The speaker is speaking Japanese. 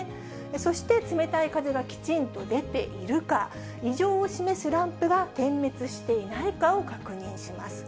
そして冷たい風がきちんと出ているか、異常を示すランプが点滅していないかを確認します。